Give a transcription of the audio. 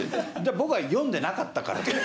僕は読んでなかったから。